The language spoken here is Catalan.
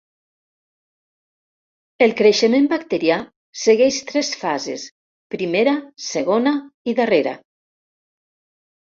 El creixement bacterià segueix tres fases: primera, segona i darrera.